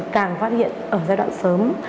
càng phát hiện ở giai đoạn sớm